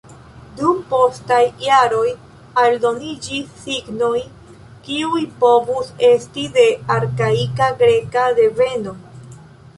Dum postaj jaroj aldoniĝis signoj, kiuj povus esti de arkaika greka deveno.